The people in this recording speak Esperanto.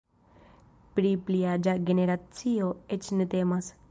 Pri pli aĝa generacio eĉ ne temas.